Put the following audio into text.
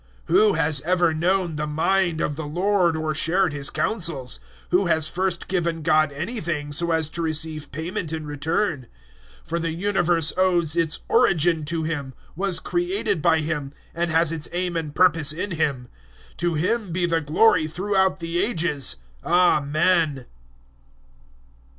011:034 "Who has ever known the mind of the Lord, or shared His counsels?" 011:035 "Who has first given God anything, so as to receive payment in return?" 011:036 For the universe owes its origin to Him, was created by Him, and has its aim and purpose in Him. To Him be the glory throughout the Ages! Amen.